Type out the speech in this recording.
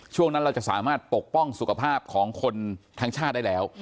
ช่วงนั้นเราจะสามารถปกป้องสุขภาพของคนทั้งชาติได้แล้ว